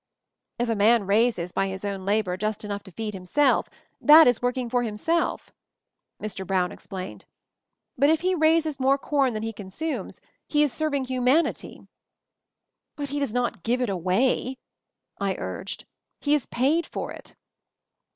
« 'If a man raises, by his own labor, just enough to feed himself — that is working for himself," Mr. Brown explained, "but if he 140 MOVING THE MOUNTAIN raises more corn than he consumes, he is serving humanity." "But he does not give it away," I urged; "he is paid for it."